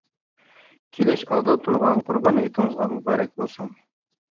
كېلىش ئالدىدا تۇرغان، قۇربان ھېيتىڭىزغا مۇبارەك بولسۇن!